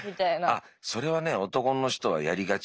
あっそれはね男の人はやりがち。